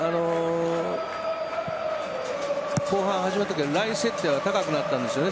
後半始まったときはライン設定は高くなったんですよね